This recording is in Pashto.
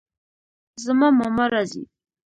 زما ماما راځي